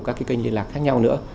các cái kênh liên hạc khác nhau nữa